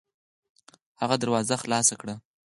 هغې دروازه خلاصه کړه.